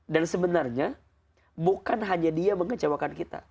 dan sebenarnya bukan hanya dia mengecewakan kita